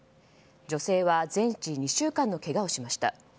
女性は全治２週間のけがをしました。